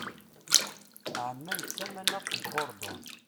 Ɛemman d tamaxt n Uṛdun.